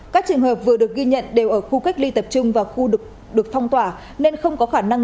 các trường hợp vừa được ghi nhận đều ở khu cách ly tập trung và khu được phong tỏa nên không có khả năng